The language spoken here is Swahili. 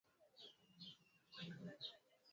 Mwenyewe mukubwa wa serkali ashinako ku ofisi yake